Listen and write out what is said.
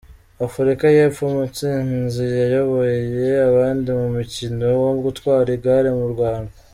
Afurika y’Epfo mutsinzi yayoboye abandi mumukino wo gutwara igare mu Rwanda